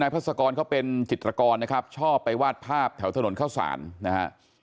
พัศกรเขาเป็นจิตรกรนะครับชอบไปวาดภาพแถวถนนเข้าศาลนะฮะ